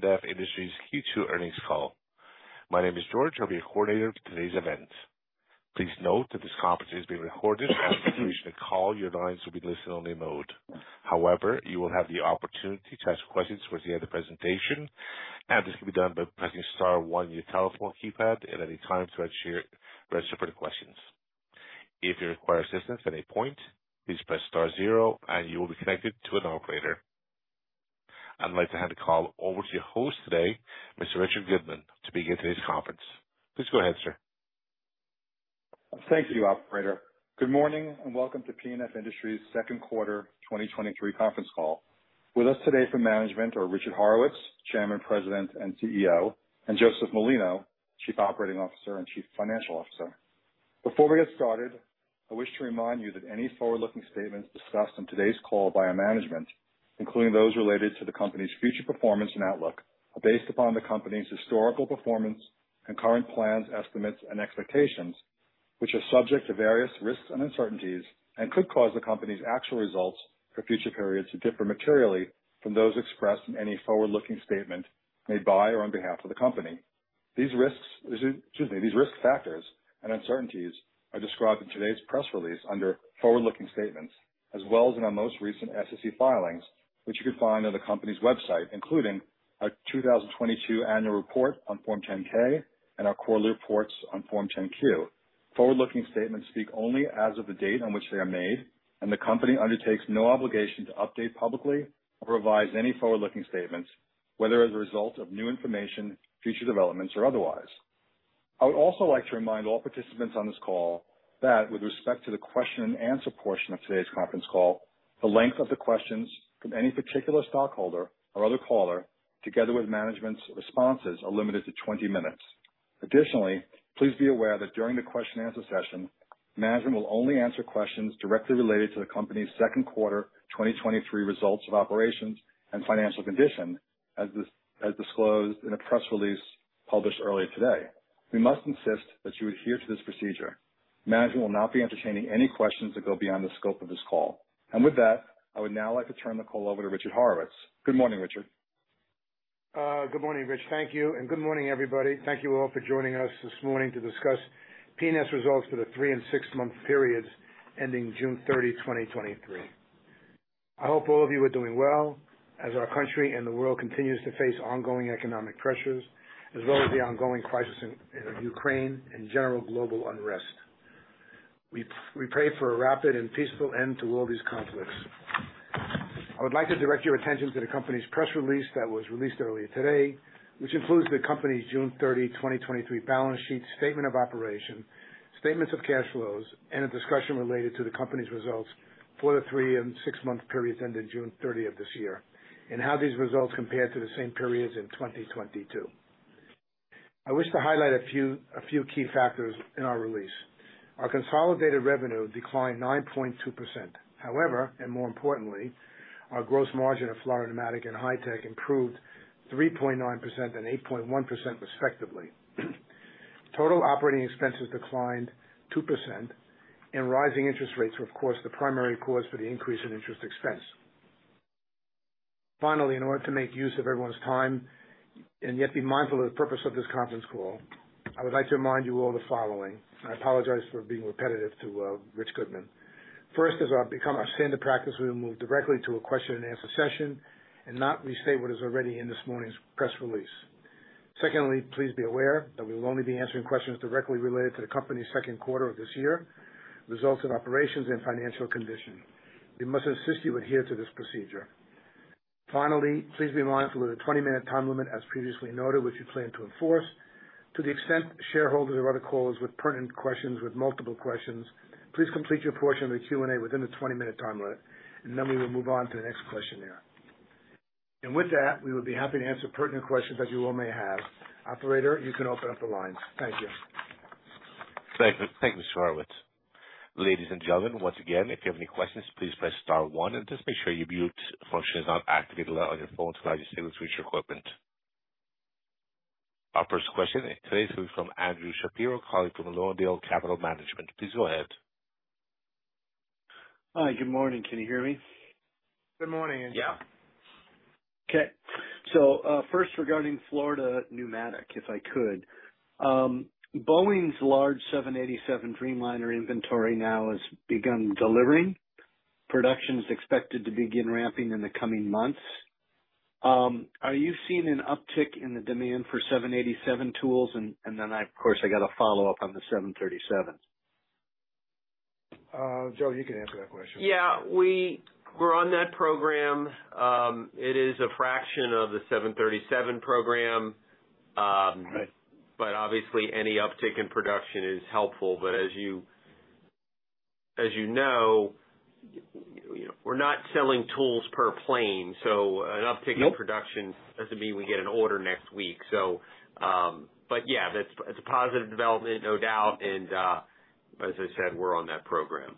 P&F Industries Q2 earnings call. My name is George, I'll be your coordinator for today's event. Please note that this conference is being recorded. During the call, your lines will be listen only mode. However, you will have the opportunity to ask questions towards the end of the presentation, and this can be done by pressing star one on your telephone keypad at any time to register for the questions. If you require assistance at any point, please press star zero and you will be connected to an operator. I'd like to hand the call over to your host today, Mr. Richard Goodman, to begin today's conference. Please go ahead, sir. Thank you, operator. Good morning. Welcome to P&F Industries second quarter 2023 conference call. With us today from management are Richard Horowitz, Chairman, President, and CEO, and Joseph Molino, Chief Operating Officer and Chief Financial Officer. Before we get started, I wish to remind you that any Forward-Looking Statements discussed on today's call by our management, including those related to the company's future performance and outlook, are based upon the company's historical performance and current plans, estimates, and expectations, which are subject to various risks and uncertainties and could cause the company's actual results for future periods to differ materially from those expressed in any Forward-Looking Statement made by or on behalf of the company. These risks, excuse me, these risk factors and uncertainties are described in today's press release under "Forward-Looking Statements," as well as in our most recent SEC filings, which you can find on the company's website, including our 2022 annual report on Form 10-K and our quarterly reports on Form 10-Q. Forward-looking statements speak only as of the date on which they are made, and the company undertakes no obligation to update publicly or revise any forward-looking statements, whether as a result of new information, future developments, or otherwise. I would also like to remind all participants on this call that with respect to the question and answer portion of today's conference call, the length of the questions from any particular stockholder or other caller, together with management's responses, are limited to 20 minutes. Additionally, please be aware that during the question and answer session, management will only answer questions directly related to the company's second quarter 2023 results of operations and financial condition, as disclosed in a press release published earlier today. We must insist that you adhere to this procedure. Management will not be entertaining any questions that go beyond the scope of this call. With that, I would now like to turn the call over to Richard Horowitz. Good morning, Richard. Good morning, Rich. Thank you. Good morning, everybody. Thank you all for joining us this morning to discuss P&F results for the 3 and 6-month periods ending June 30, 2023. I hope all of you are doing well as our country and the world continues to face ongoing economic pressures, as well as the ongoing crisis in Ukraine and general global unrest. We pray for a rapid and peaceful end to all these conflicts. I would like to direct your attention to the company's press release that was released earlier today, which includes the company's June 30, 2023 balance sheet, statement of operation, statements of cash flows, and a discussion related to the company's results for the three and six month periods ending June 30 this year, how these results compare to the same periods in 2022. I wish to highlight a few, a few key factors in our release. Our consolidated revenue declined 9.2%. However, and more importantly, our gross margin of Florida Pneumatic and Hy-Tech improved 3.9% and 8.1% respectively. Total operating expenses declined 2%, and rising interest rates were, of course, the primary cause for the increase in interest expense. Finally, in order to make use of everyone's time and yet be mindful of the purpose of this conference call, I would like to remind you all the following. I apologize for being repetitive to Rich Goodman. First, as our, become our standard practice, we will move directly to a question and answer session and not restate what is already in this morning's press release. Secondly, please be aware that we will only be answering questions directly related to the company's second quarter of this year, results of operations and financial condition. We must insist you adhere to this procedure. Finally, please be mindful of the 20-minute time limit, as previously noted, which we plan to enforce. To the extent shareholders or other callers with pertinent questions with multiple questions, please complete your portion of the Q&A within the 20-minute time limit, and then we will move on to the next question there. With that, we would be happy to answer pertinent questions that you all may have. Operator, you can open up the lines. Thank you. Thank you. Thank you, Mr. Horowitz. Ladies and gentlemen, once again, if you have any questions, please press star one and just make sure your mute function is not activated on your phone, so now you're able to switch your equipment. Our first question today is from Andrew Shapiro, colleague from Lawndale Capital Management. Please go ahead. Hi, good morning. Can you hear me? Good morning, Andrew. Yeah. Okay. First, regarding Florida Pneumatic, if I could. Boeing's large 787 Dreamliner inventory now has begun delivering. Production is expected to begin ramping in the coming months. Are you seeing an uptick in the demand for 787 tools? Then, I, of course, I got to follow up on the 737. Joe, you can answer that question. Yeah, we're on that program. It is a fraction of the 737 program. Right. Obviously, any uptick in production is helpful. As you, as you know, you know, we're not selling tools per plane, so an uptick... Nope in production doesn't mean we get an order next week. But yeah, that's, it's a positive development, no doubt. As I said, we're on that program.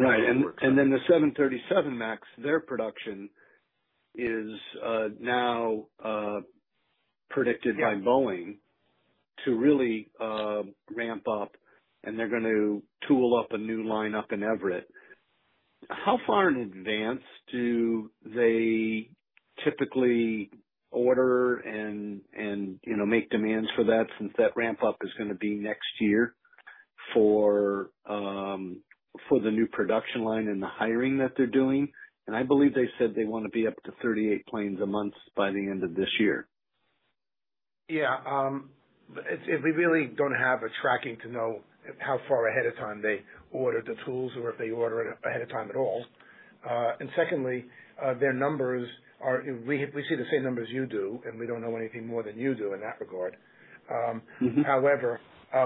Right. Then the 737 MAX, their production is now predicted by Boeing to really ramp up, and they're going to tool up a new line up in Everett. How far in advance do they typically order and, and, you know, make demands for that, since that ramp up is gonna be next year for the new production line and the hiring that they're doing? I believe they said they wanna be up to 38 planes a month by the end of this year. Yeah, we really don't have a tracking to know how far ahead of time they order the tools or if they order it ahead of time at all. Secondly, their numbers are. We see the same numbers you do, and we don't know anything more than you do in that regard. Mm-hmm. However,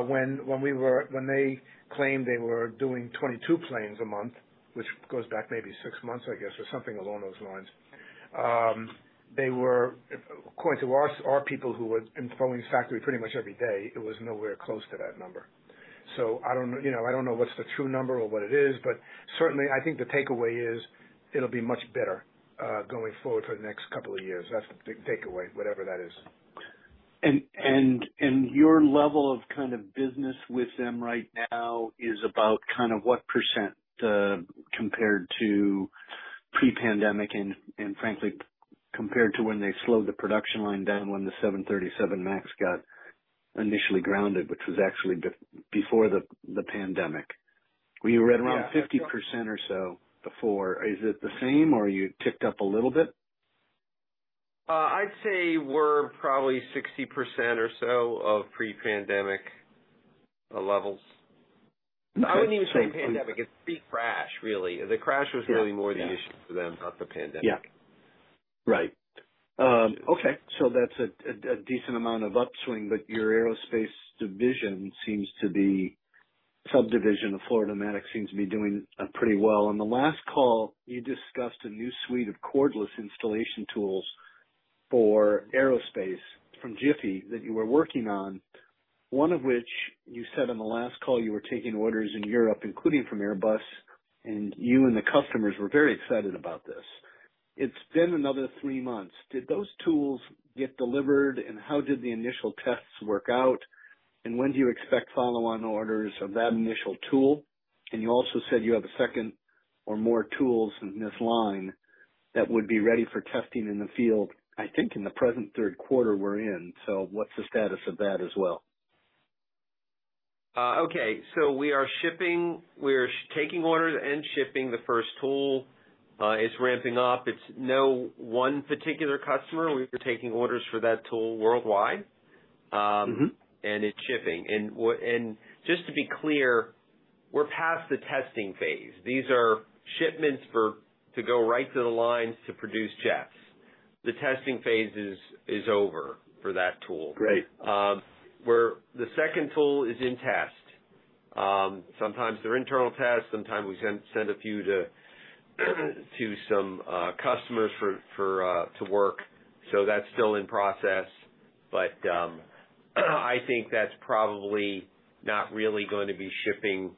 when they claimed they were doing 22 planes a month, which goes back maybe six months, I guess, or something along those lines, they were, according to our, our people who were in Boeing's factory pretty much every day, it was nowhere close to that number. I don't, you know, I don't know what's the true number or what it is, but certainly I think the takeaway is it'll be much better going forward for the next two years. That's the big takeaway, whatever that is. Your level of kind of business with them right now is about kind of what %, compared to pre-pandemic and, frankly, compared to when they slowed the production line down when the 737 MAX got initially grounded, which was actually before the pandemic? Well, you were at around 50% or so before. Is it the same or you ticked up a little bit? I'd say we're probably 60% or so of pre-pandemic levels. I wouldn't even say pre-pandemic, it's pre-crash, really. The crash was really more the issue for them, not the pandemic. Yeah. Right. Okay, so that's a, a decent amount of upswing, but your aerospace division seems to be, subdivision of Florida Pneumatic seems to be doing, pretty well. On the last call, you discussed a new suite of cordless installation tools for aerospace from Jiffy that you were working on, one of which you said in the last call, you were taking orders in Europe, including from Airbus, and you and the customers were very excited about this. It's been another three months. Did those tools get delivered, and how did the initial tests work out? When do you expect follow-on orders of that initial tool? You also said you have a second or more tools in this line that would be ready for testing in the field, I think in the present third quarter we're in. What's the status of that as well? Okay. We are shipping. We are taking orders and shipping the first tool. It's ramping up. It's no one particular customer. We've been taking orders for that tool worldwide. Mm-hmm. It's shipping. Just to be clear, we're past the testing phase. These are shipments for, to go right to the lines to produce jets. The testing phase is over for that tool. Great. The second tool is in test. Sometimes they're internal tests, sometimes we send a few to some customers for to work. That's still in process, but I think that's probably not really going to be shipping.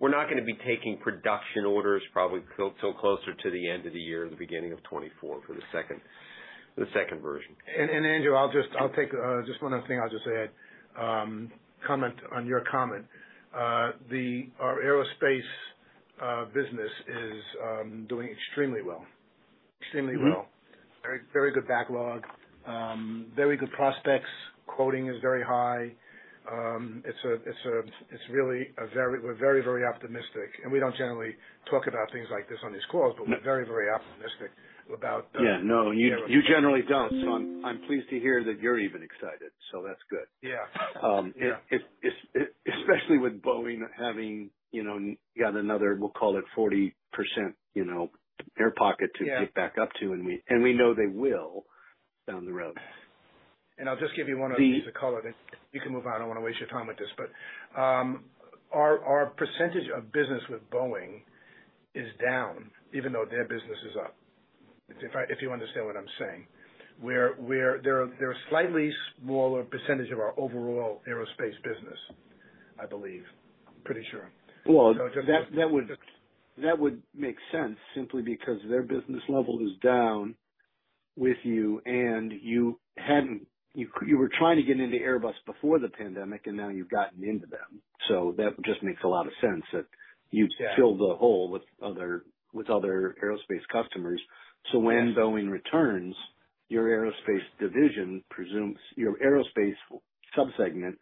We're not gonna be taking production orders, probably till closer to the end of the year, the beginning of 2024, for the second version. Andrew, I'll just, I'll take, just one other thing I'll just add, comment on your comment. The, our aerospace, business is, doing extremely well. Extremely well. Mm-hmm. Very, very good backlog, very good prospects. Quoting is very high. It's a, it's really a very. We're very, very optimistic, and we don't generally talk about things like this on these calls, but we're very, very optimistic about. Yeah, no, you, you generally don't, so I'm, I'm pleased to hear that you're even excited, so that's good. Yeah. It, it, especially with Boeing having, you know, got another, we'll call it 40%, you know, air pocket. Yeah to get back up to, and we, and we know they will, down the road. I'll just give you one other piece of color, then you can move on. I don't want to waste your time with this, but our percentage of business with Boeing is down, even though their business is up, if you understand what I'm saying. They're a slightly smaller percentage of our overall aerospace business, I believe. Pretty sure. Well, that, that would, that would make sense simply because their business level is down with you and you hadn't... You, you were trying to get into Airbus before the pandemic, and now you've gotten into them. That just makes a lot of sense that you... Yeah filled the hole with other, with other aerospace customers. Yes. When Boeing returns, your aerospace division presumes, your aerospace subsegment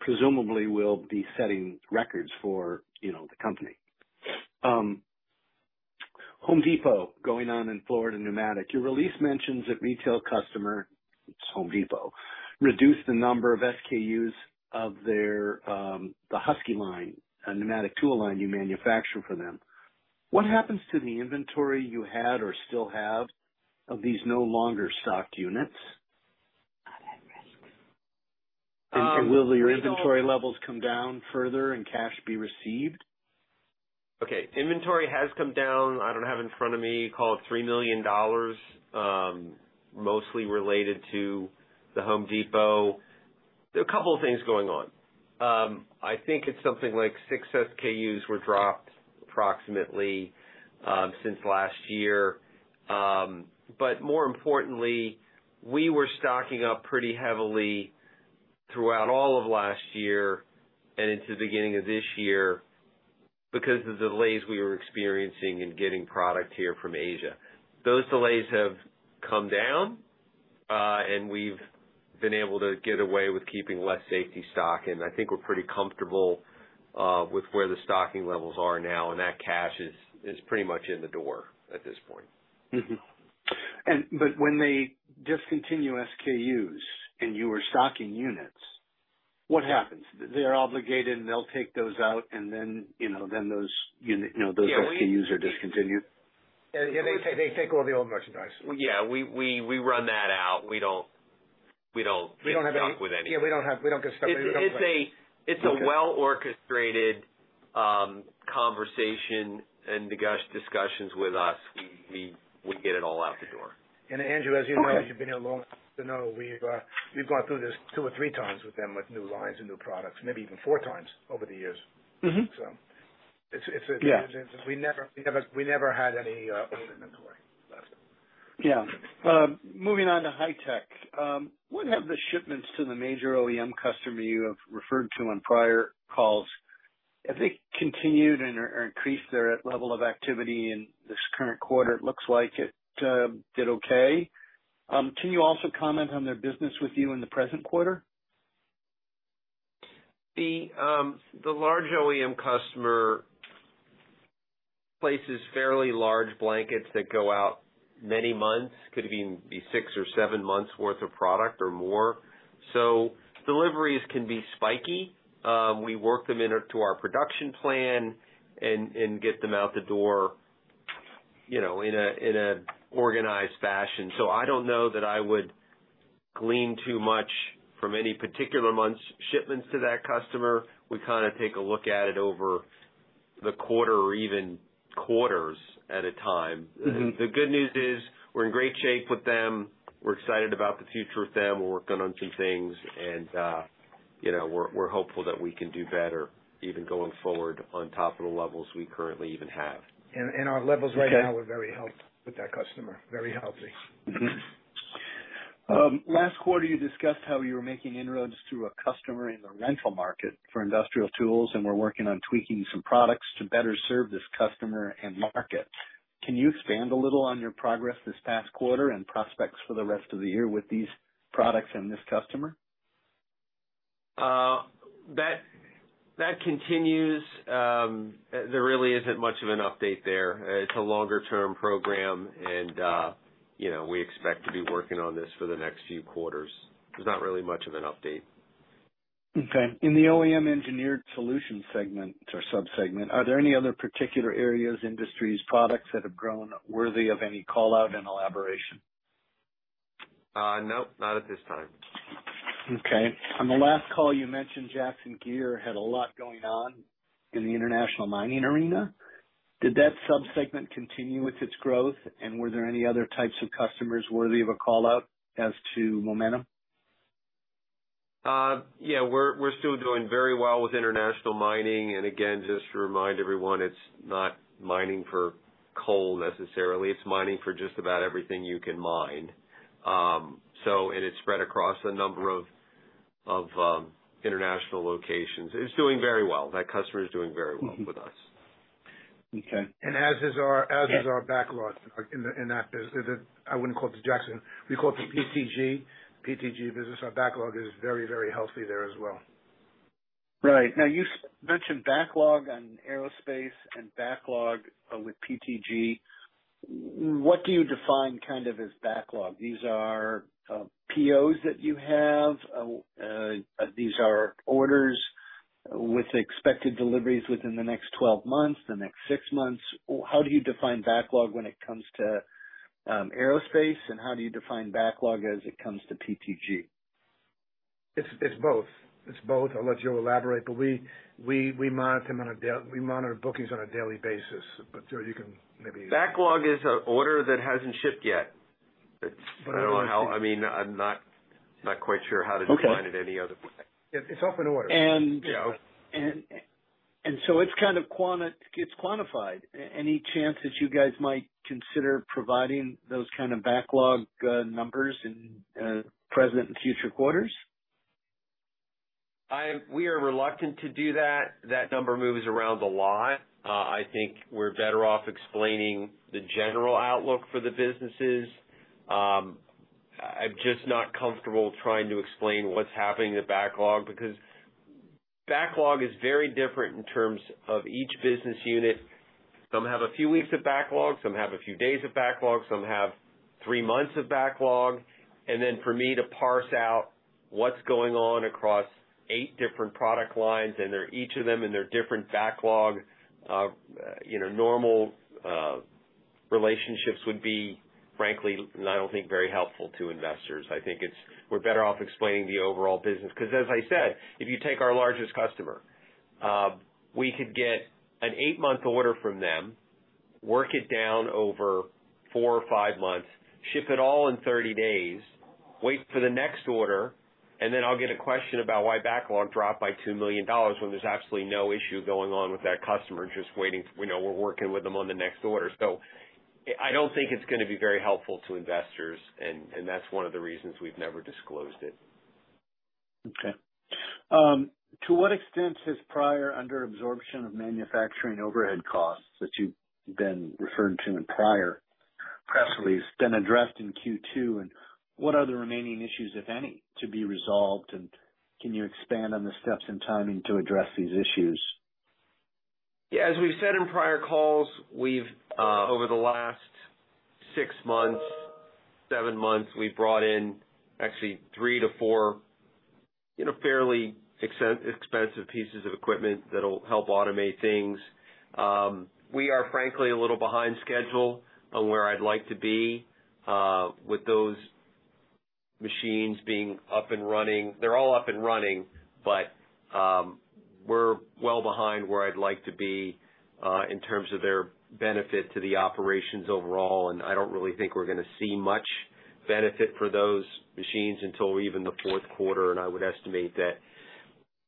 presumably will be setting records for, you know, the company. Home Depot, going on in Florida Pneumatic, your release mentions that retail customer, it's Home Depot, reduced the number of SKUs of their, the Husky line, a pneumatic tool line you manufacture for them. What happens to the inventory you had or still have of these no longer stocked units? At risk. Will the inventory levels come down further and cash be received? Okay, inventory has come down. I don't have in front of me, call it $3 million, mostly related to The Home Depot. There are a couple of things going on. I think it's something like 6 SKUs were dropped approximately since last year. More importantly, we were stocking up pretty heavily throughout all of last year and into the beginning of this year because of the delays we were experiencing in getting product here from Asia. Those delays have come down, and we've been able to get away with keeping less safety stock, and I think we're pretty comfortable with where the stocking levels are now, and that cash is, is pretty much in the door at this point. Mm-hmm. But when they discontinue SKUs and you are stocking units, what happens? They're obligated, and they'll take those out, and then, you know, then those unit, you know, those- Yeah. SKUs are discontinued. Yeah. Yeah, they take, they take all the old merchandise. Yeah, we run that out. We don't- We don't have. With any. Yeah, we don't have, we don't get stuck with anything. It's a, it's a well-orchestrated conversation and discussions with us. We, we, we get it all out the door. Andrew, as you know, you've been here long enough to know we've gone through this 2 or 3 times with them, with new lines and new products, maybe even 4 times over the years. Mm-hmm. it's. Yeah. We never, we never, we never had any inventory left. Yeah. Moving on to Hy-Tech. What have the shipments to the major OEM customer you have referred to on prior calls? Have they continued and/or increased their level of activity in this current quarter? It looks like it did okay. Can you also comment on their business with you in the present quarter? The large OEM customer places fairly large blankets that go out many months. Could even be six or seven months worth of product or more, so deliveries can be spiky. We work them into our production plan and get them out the door, you know, in a organized fashion. I don't know that I would glean too much from any particular month's shipments to that customer. We kind of take a look at it over the quarter or even quarters at a time. Mm-hmm. The good news is we're in great shape with them. We're excited about the future with them. We're working on some things. You know, we're, we're hopeful that we can do better, even going forward on top of the levels we currently even have. Our levels right now are very healthy with that customer. Very healthy. Last quarter, you discussed how you were making inroads to a customer in the rental market for industrial tools, and were working on tweaking some products to better serve this customer and market. Can you expand a little on your progress this past quarter and prospects for the rest of the year with these products and this customer? That, that continues. There really isn't much of an update there. It's a longer term program and, you know, we expect to be working on this for the next few quarters. There's not really much of an update. Okay. In the OEM engineered solution segment or subsegment, are there any other particular areas, industries, products that have grown worthy of any call out and elaboration? Nope, not at this time. Okay. On the last call you mentioned Jackson Gear had a lot going on in the international mining arena. Did that subsegment continue with its growth? Were there any other types of customers worthy of a call out as to momentum? Yeah, we're, we're still doing very well with international mining. Again, just to remind everyone, it's not mining for coal necessarily. It's mining for just about everything you can mine. It's spread across a number of international locations. It's doing very well. That customer is doing very well with us. Okay. As is our backlogs in, in that business. I wouldn't call it the Jackson. We call it the PTG. PTG business. Our backlog is very, very healthy there as well. Right. Now, you mentioned backlog on aerospace and backlog with PTG. What do you define kind of as backlog? These are POs that you have, these are orders with expected deliveries within the next 12 months, the next 6 months. How do you define backlog when it comes to aerospace, and how do you define backlog as it comes to PTG? It's, it's both. It's both. I'll let Joe elaborate, but we monitor bookings on a daily basis. But Joe you can. Backlog is an order that hasn't shipped yet. It's. I don't know how, I mean, I'm not quite sure how to define it any other way. It's open orders. And- You know? So it's kind of it's quantified. Any chance that you guys might consider providing those kind of backlog, numbers in, present and future quarters? We are reluctant to do that. That number moves around a lot. I think we're better off explaining the general outlook for the businesses. I'm just not comfortable trying to explain what's happening in the backlog because backlog is very different in terms of each business unit. Some have a few weeks of backlog, some have a few days of backlog, some have three months of backlog. Then for me to parse out what's going on across eight different product lines, and they're each of them in their different backlog, you know, normal relationships would be, frankly, I don't think, very helpful to investors. I think it's, we're better off explaining the overall business, because as I said, if you take our largest customer, we could get an eight-month order from them. work it down over four or five months, ship it all in 30 days, wait for the next order, and then I'll get a question about why backlog dropped by $2 million when there's absolutely no issue going on with that customer. Just waiting, we know we're working with them on the next order. I don't think it's going to be very helpful to investors, and that's one of the reasons we've never disclosed it. Okay. To what extent has prior under-absorption of manufacturing overhead costs, that you've been referring to in prior press release, been addressed in Q2? What are the remaining issues, if any, to be resolved? Can you expand on the steps and timing to address these issues? Yeah, as we've said in prior calls, we've, over the last six months, seven months, we've brought in actually 3-4, you know, fairly expensive pieces of equipment that'll help automate things. We are frankly, a little behind schedule on where I'd like to be with those machines being up and running. They're all up and running, but we're well behind where I'd like to be in terms of their benefit to the operations overall. I don't really think we're going to see much benefit for those machines until even the fourth quarter. I would estimate that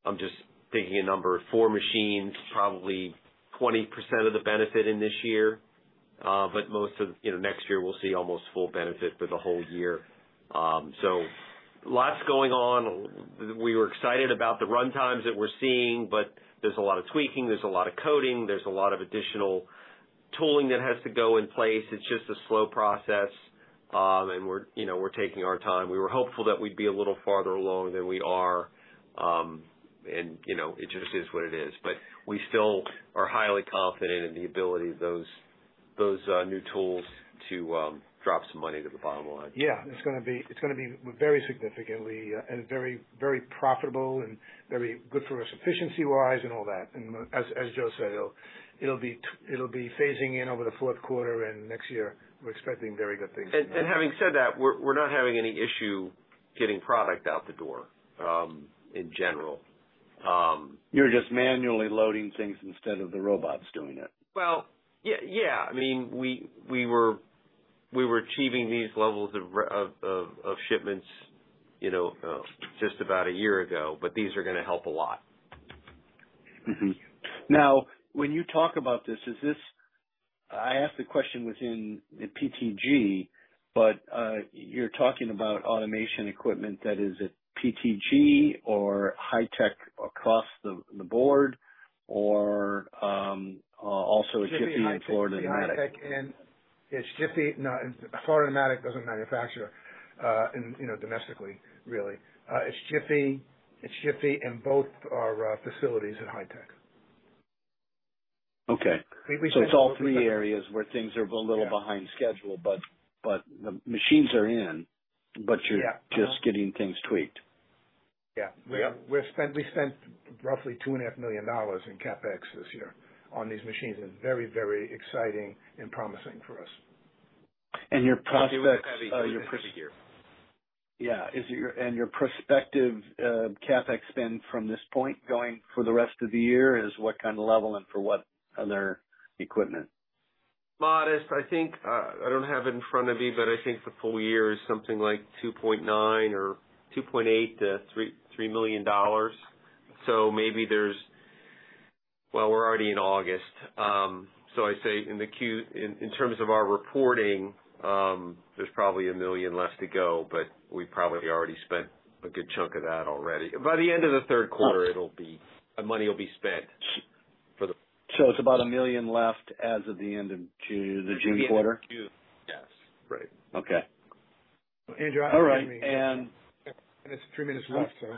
I'm just thinking a number, 4 machines, probably 20% of the benefit in this year. Most of, you know, next year we'll see almost full benefit for the whole year. Lots going on. We were excited about the runtimes that we're seeing, but there's a lot of tweaking, there's a lot of coding, there's a lot of additional tooling that has to go in place. It's just a slow process. We're, you know, we're taking our time. We were hopeful that we'd be a little farther along than we are. You know, it just is what it is. We still are highly confident in the ability of those, those new tools to drop some money to the bottom line. Yeah, it's gonna be it's gonna be very significantly, and very, very profitable and very good for us, efficiency wise and all that. As, as Joe said, it'll be, it'll be phasing in over the fourth quarter and next year. We're expecting very good things. Having said that, we're, we're not having any issue getting product out the door, in general. You're just manually loading things instead of the robots doing it? Well, yeah, yeah. I mean, we, we were, we were achieving these levels of shipments, you know, just about a year ago. These are going to help a lot. Mm-hmm. Now, when you talk about this, is this... I asked the question within the PTG, but you're talking about automation equipment that is at PTG or Hy-Tech across the, the board, or also at Jiffy and Florida Pneumatic? Hy-Tech, and it's Jiffy. No, Florida Pneumatic doesn't manufacture, in, you know, domestically, really. It's Jiffy, it's Jiffy in both our facilities at Hy-Tech. Okay. I think we said. It's all three areas where things are a little behind schedule, but, but the machines are in, but you're-. Yeah. just getting things tweaked. Yeah. Yep. We spent roughly $2.5 million in CapEx this year on these machines, and very, very exciting and promising for us. your prospects, Every year. Yeah. Is your... your prospective CapEx spend from this point going for the rest of the year, is what kind of level and for what other equipment? Modest. I think, I don't have it in front of me, but I think the full year is something like $2.9 million or $2.8 million-$3 million. Maybe there's. Well, we're already in August. I say in the Q, in terms of our reporting, there's probably $1 million less to go, but we've probably already spent a good chunk of that already. By the end of the third quarter, it'll be, the money will be spent for the- It's about $1 million left as of the end of June, the June quarter? Yes. Right. Okay. Andrew- All right. There's 3 minutes left, so.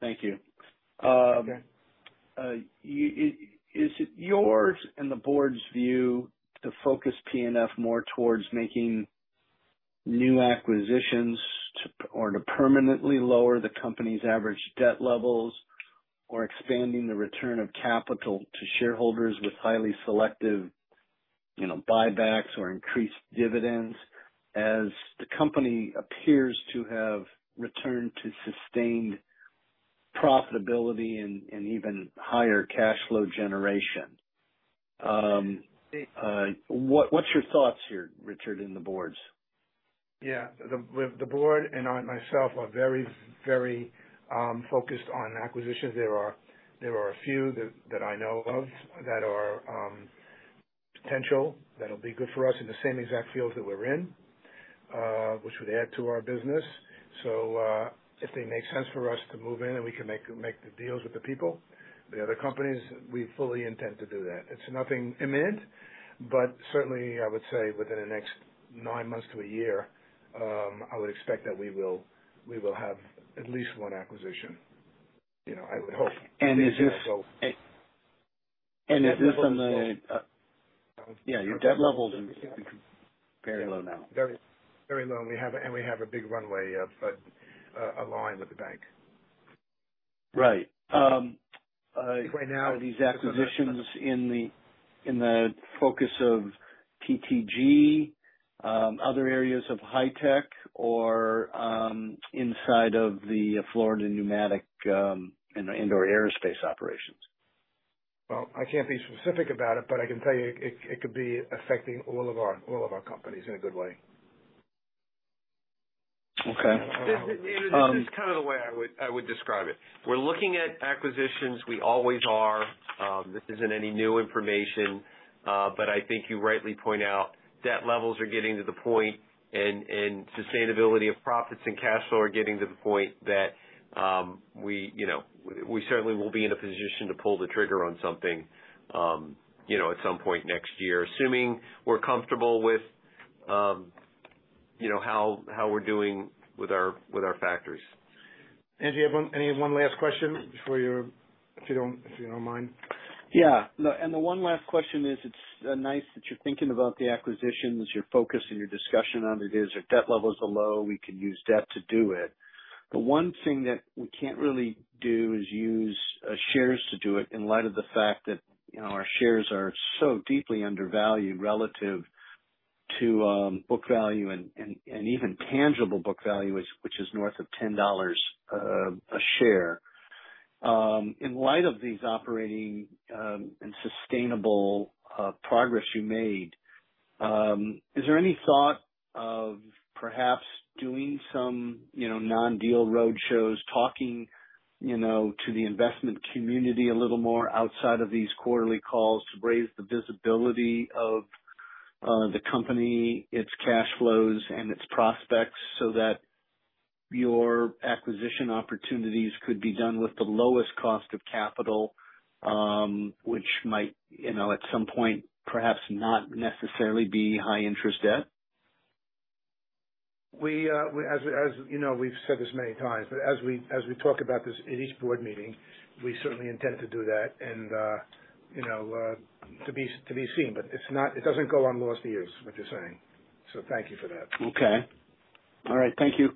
Thank you. Is it yours and the board's view to focus P&F more towards making new acquisitions to, or to permanently lower the company's average debt levels, or expanding the return of capital to shareholders with highly selective, you know, buybacks or increased dividends, as the company appears to have returned to sustained profitability and, and even higher cash flow generation? What, what's your thoughts here, Richard, and the boards? Yeah. The, the board and I, myself are very, very focused on acquisitions. There are, there are a few that, that I know of that are potential, that'll be good for us in the same exact field that we're in, which would add to our business. If they make sense for us to move in and we can make, make the deals with the people, the other companies, we fully intend to do that. It's nothing imminent, but certainly, I would say within the next 9 months to 1 year, I would expect that we will, we will have at least 1 acquisition. You know, I would hope. is this- So- Is this on the? Yeah, your debt levels are very low now. Very, very low. We have a big runway, but aligned with the bank. Right. Right now. These acquisitions in the, in the focus of PTG? other areas of Hy-Tech or, inside of Florida Pneumatic, in the indoor aerospace operations? Well, I can't be specific about it, but I can tell you it, it could be affecting all of our, all of our companies in a good way. Okay. This is kind of the way I would, I would describe it. We're looking at acquisitions. We always are. This isn't any new information, but I think you rightly point out debt levels are getting to the point and, and sustainability of profits and cash flow are getting to the point that, we, you know, we certainly will be in a position to pull the trigger on something, you know, at some point next year, assuming we're comfortable with, you know, how, how we're doing with our, with our factories. Andrew, you have one -- any one last question before you're... If you don't, if you don't mind? Yeah. The one last question is, it's nice that you're thinking about the acquisitions, your focus and your discussion on it is, your debt levels are low, we could use debt to do it. The one thing that we can't really do is use shares to do it, in light of the fact that, you know, our shares are so deeply undervalued relative to book value and, and, and even tangible book value, which, which is north of $10 a share. In light of these operating, and sustainable, progress you made, is there any thought of perhaps doing some, you know, non-deal roadshows, talking, you know, to the investment community a little more outside of these quarterly calls to raise the visibility of, the company, its cash flows and its prospects, so that your acquisition opportunities could be done with the lowest cost of capital, which might, you know, at some point perhaps not necessarily be high interest debt? We, as, as you know, we've said this many times, but as we, as we talk about this at each board meeting, we certainly intend to do that. You know, to be, to be seen, but it's not, it doesn't go on loan for years, what you're saying. Thank you for that. Okay. All right. Thank you.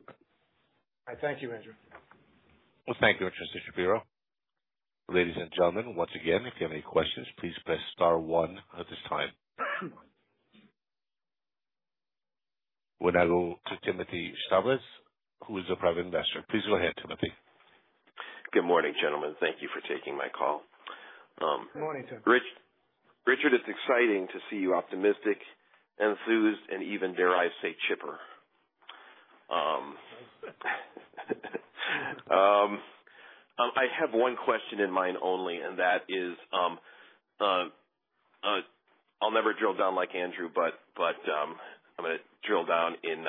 I thank you, Andrew. Thank you, Mr. Shapiro. Ladies and gentlemen, once again, if you have any questions, please press star one at this time. We're now go to Timothy Chavez, who is a private investor. Please go ahead, Timothy. Good morning, gentlemen. Thank you for taking my call. Good morning, Tim. Richard, it's exciting to see you optimistic and enthused and even, dare I say, chipper. I have one question in mind only, and that is, I'll never drill down like Andrew, but, but, I'm going to drill down in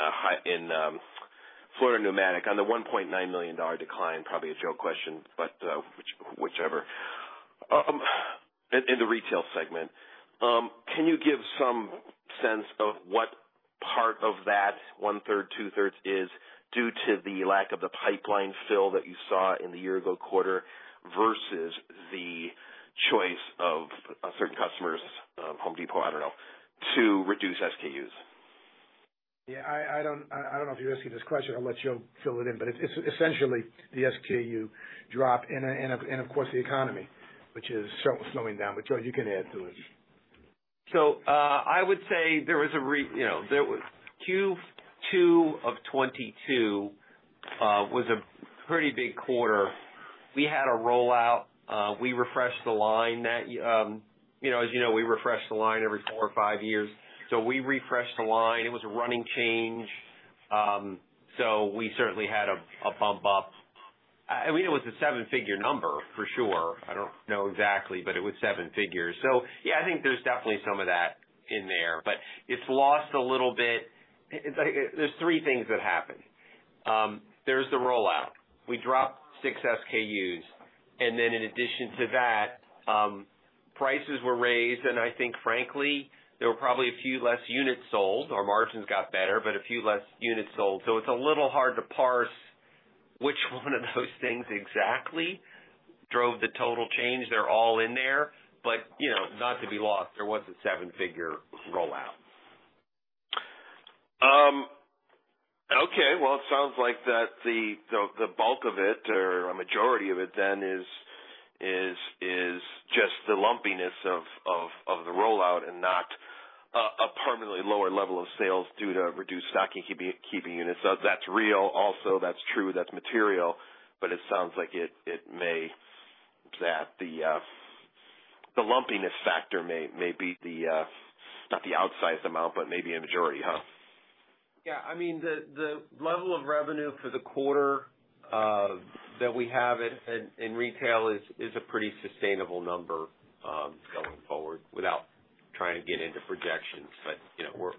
Florida Pneumatic on the $1.9 million decline. Probably a Joe question, but whichever. In the retail segment, can you give some sense of what part of that one third, two thirds is due to the lack of the pipeline fill that you saw in the year ago quarter, versus the choice of certain customers, Home Depot, I don't know, to reduce SKUs? Yeah, I, I don't, I don't know if you're asking this question. I'll let Joe fill it in, but it's essentially the SKU drop and of course, the economy, which is slowing down, but Joe, you can add to it. I would say there was a re- you know, there was... Q2 of 2022 was a pretty big quarter. We had a rollout. We refreshed the line that, you know, as you know, we refresh the line every 4 or 5 years. We refreshed the line. It was a running change. We certainly had a, a bump up. I mean, it was a $7 million number for sure. I don't know exactly, but it was $7 million. Yeah, I think there's definitely some of that in there, but it's lost a little bit. There's three things that happened. There's the rollout. We dropped 6 SKUs, and then in addition to that, prices were raised, and I think frankly, there were probably a few less units sold. Our margins got better, but a few less units sold. It's a little hard to parse which one of those things exactly drove the total change. They're all in there, but, you know, not to be lost, there was a seven-figure rollout. Okay, well, it sounds like that the bulk of it or a majority of it then is just the lumpiness of the rollout and not a permanently lower level of sales due to reduced Stock Keeping Units. That's real. That's true, that's material. It sounds like it may, that the lumpiness factor may be the not the outsized amount, but maybe a majority, huh? Yeah, I mean, the level of revenue for the quarter, that we have in retail is a pretty sustainable number, going forward without trying to get into projections. You know,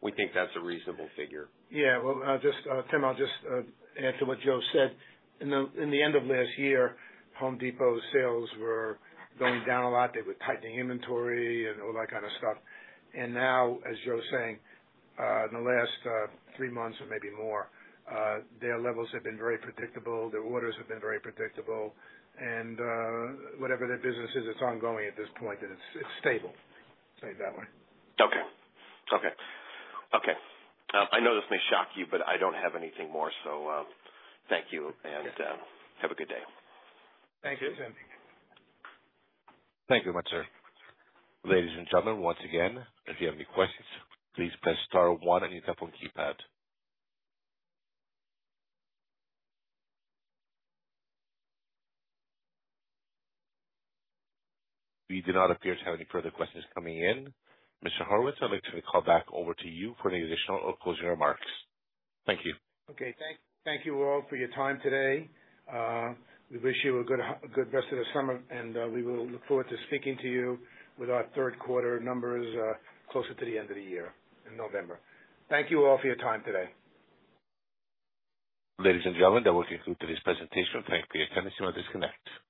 we think that's a reasonable figure. Yeah. Well, I'll just, Tim, I'll just, add to what Joe said. In the, in the end of last year, Home Depot sales were going down a lot. They were tightening inventory and all that kind of stuff. Now, as Joe was saying, in the last three months or maybe more, their levels have been very predictable. Their orders have been very predictable, and, whatever their business is, it's ongoing at this point, and it's, it's stable. Say it that way. Okay. Okay, okay. I know this may shock you, but I don't have anything more, so, thank you, and, have a good day. Thank you, Tim. Thank you very much, sir. Ladies and gentlemen, once again, if you have any questions, please press star one on your telephone keypad. We do not appear to have any further questions coming in. Mr. Horowitz, I'd like to call back over to you for any additional or closing remarks. Thank you. Okay. Thank you all for your time today. We wish you a good rest of the summer, and, we will look forward to speaking to you with our third quarter numbers, closer to the end of the year, in November. Thank you all for your time today. Ladies and gentlemen, that will conclude today's presentation. Thank you for your attendance. You may disconnect.